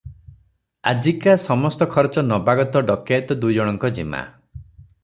ଆଜିକା ସମସ୍ତ ଖରଚ ନବାଗତ ଡକାଏତ ଦୁଇଜଣଙ୍କ ଜିମା ।